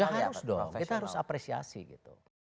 ya harus dong kita harus apresiasi gitu